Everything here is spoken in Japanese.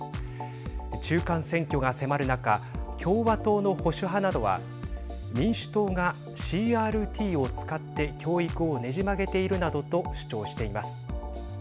中間選挙が迫る中共和党の保守派などは民主党がＣＲＴを使って教育をねじ曲げているなどと主張しています。